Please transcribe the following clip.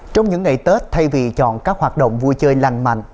trong những ngày tết thay vì chọn các hoạt động vui chơi lành mạnh